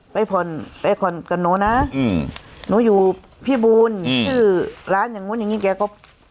ไปผ่อนไปผ่อนกับหนูนะอืมหนูอยู่พี่บูลชื่อร้านอย่างนู้นอย่างงี้แกก็